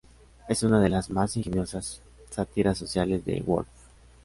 Es una de las más ingeniosas sátiras sociales de Woolf.